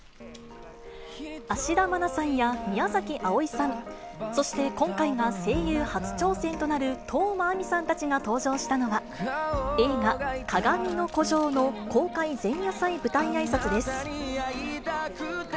芦田愛菜さんや宮崎あおいさん、そして今回が声優初挑戦となる當真あみさんたちが登場したのは、映画、かがみの孤城の公開前夜舞台あいさつです。